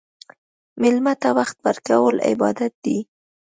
مېلمه ته وخت ورکول عبادت دی.